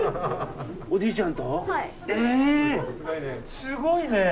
すごいね。